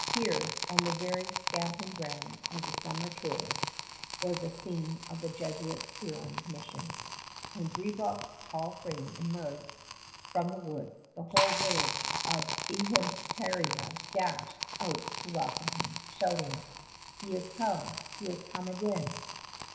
Here, on the very stamping ground of the summer tourist, was the scene of the Jesuits' Huron mission. [Illustration: GEORGIAN BAY] When Brébeuf's tall frame emerged from the woods, the whole village of Ihonateria dashed out to welcome him, shouting, "He has come! He has come again!